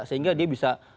sehingga dia bisa